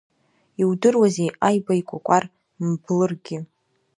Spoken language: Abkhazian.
Иудыруазеи, аиба икәакәар мблыргьы!